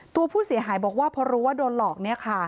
ตัวผู้เสียหายบอกว่าเพราะรู้ว่าโดนหลอก